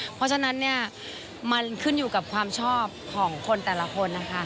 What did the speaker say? เพราะฉะนั้นเนี่ยมันขึ้นอยู่กับความชอบของคนแต่ละคนนะคะ